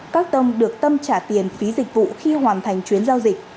các tông được tâm trả tiền phí dịch vụ khi hoàn thành chuyến giao dịch